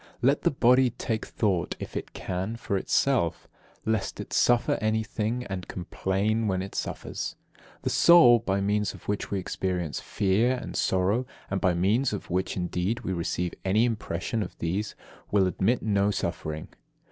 Let the body take thought, if it can, for itself, lest it suffer anything, and complain when it suffers. The soul, by means of which we experience fear and sorrow, and by means of which, indeed, we receive any impression of these, will admit no suffering.